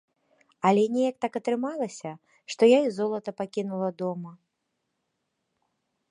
Але неяк так атрымалася, што я і золата пакінула дома.